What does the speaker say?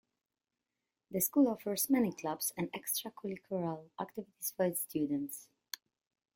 The school offers many clubs and extracurricular activities for its students.